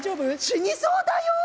「死にそうだよ。